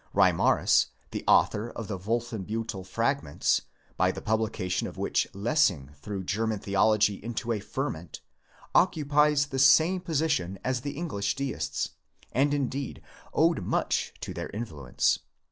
Reimarus, the author of the Wolfenbiittel Frag ments, by the publication of which Lessing threw German theology into a ferment, occupies the same position as the English Deists, and indeed owed much to their influence.